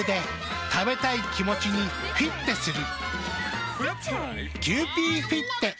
食べたい気持ちにフィッテする。